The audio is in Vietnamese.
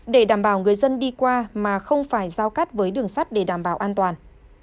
để đảm bảo người dân đi qua mà không phải giao cắt với đường sắt để đảm bảo an toàn